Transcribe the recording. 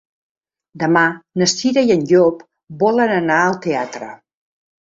Demà na Cira i en Llop volen anar al teatre.